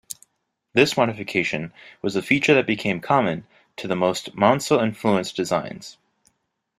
This modification was a feature that became common to most Maunsell-influenced designs.